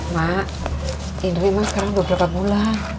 mak idri mak sekarang beberapa bulan